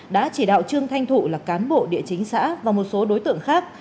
đã chỉ đạo trương thanh thụ là cán bộ địa chính xã và một số đối tượng khác